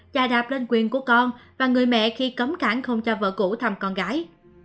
chà đạp lên quyền của con và người mẹ khi cấm cản không cho vợ cũ thăm con gái